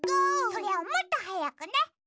それをもっとはやくね。